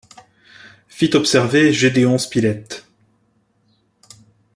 fit observer Gédéon Spilett